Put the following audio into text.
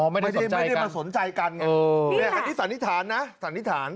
อ๋อไม่ได้มาสนใจกันนี่แหละสันนิษฐานนะสันนิษฐาน